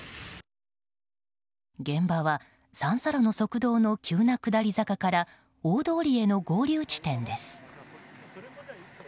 現場は三差路の側道の急な下り坂から大通りへの合流地点です。